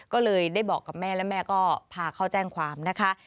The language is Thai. ก็เลยได้บอกกับแม่และแม่ก็พาเขาแจ้งความนะคะ